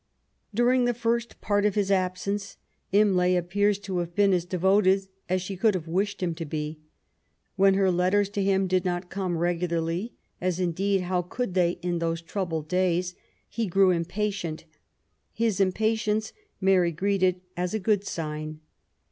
'^ During the first part of his absence, Imlay appears to have been as devoted as she could have wished him to be. When her letters to him did not come regularly, — as, indeed, how could they in those troubled days ?— he grew impatient. His impatience Mary greeted as a good sign.